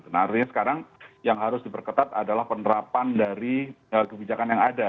nah artinya sekarang yang harus diperketat adalah penerapan dari kebijakan yang ada